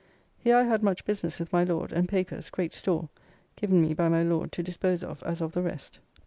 Here I had much business with my Lord, and papers, great store, given me by my Lord to dispose of as of the rest.